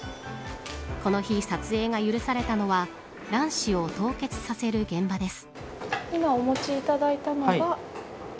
この日、撮影が許されたのは卵子を凍結させる現場です。